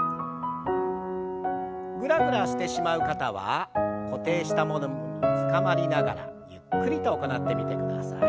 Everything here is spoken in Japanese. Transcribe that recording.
ぐらぐらしてしまう方は固定したものにつかまりながらゆっくりと行ってみてください。